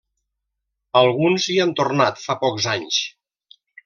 Alguns hi han tornat fa pocs anys.